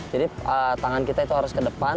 jadi tangan kita itu harus ke depan